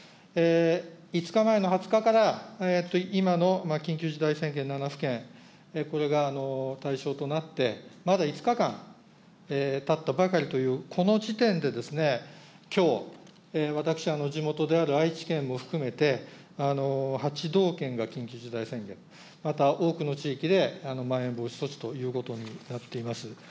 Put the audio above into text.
５日前の２０日から、今の緊急事態宣言７府県、これが対象となって、まだ５日間たったばかりというこの時点でですね、きょう、私、地元である愛知県も含めて、８道県が緊急事態宣言、また多くの地域でまん延防止措置ということになってます。